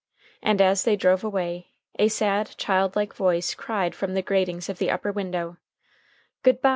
And as they drove away, a sad, childlike voice cried from the gratings of the upper window, "Good by!